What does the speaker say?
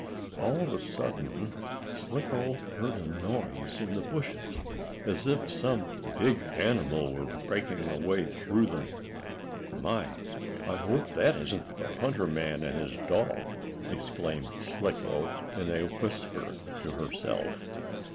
All of a sudden, Slicko heard a noise in the bushes, as if some big animal were breaking a way through them. "My! I hope that isn't the hunter man and his dog!" exclaimed Slicko in a whisper to herself.